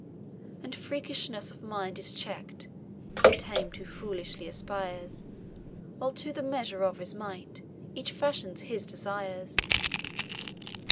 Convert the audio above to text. "And freakishness of mind is check'd, He tamed who foolishly aspires, While to the measure of his might Each fashions his desires.